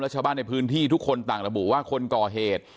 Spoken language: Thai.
ชาวบ้านในพื้นที่ทุกคนต่างระบุว่าคนก่อเหตุ